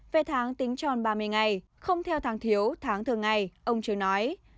vé tháng tính tròn ba mươi ngày không theo tháng thiếu tháng thường ngày ông trường nói